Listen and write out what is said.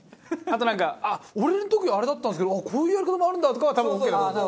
あとなんか「俺の時あれだったんですけどこういうやり方もあるんだ」とかは多分オーケーだと。